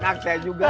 sama kang saya juga